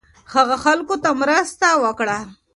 هغه خلکو ته مرسته وکړه